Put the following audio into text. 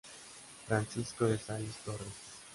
Francisco de Sales Torres.